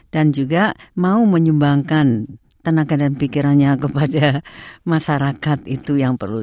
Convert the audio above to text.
dan juga mau menyumbangkan tenaga dan pikirannya kepada masyarakat itu yang perlu